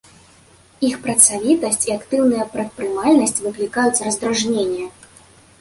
Іх працавітасць і актыўная прадпрымальнасць выклікаюць раздражненне.